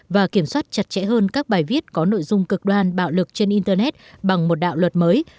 và kiểm soát chặt chẽ hơn các bài viết có nội dung cực đoan bạo lực trên internet bằng một đạo luật mới